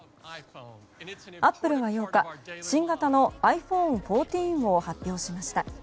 アップルが８日新型のｉＰｈｏｎｅ１４を発表しました。